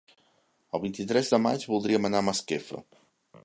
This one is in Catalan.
El vint-i-tres de maig voldríem anar a Masquefa.